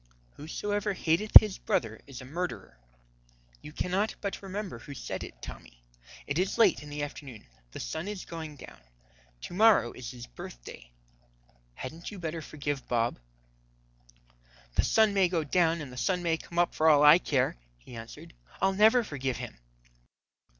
'Whosoever hateth his brother is a murderer.' You cannot but remember who said it, Tommy. It is late in the afternoon. The sun is going down. To morrow is His birthday. Hadn't you better forgive Bob?" "The sun may go down and the sun may come up for all I care," he answered, "I'll never forgive him."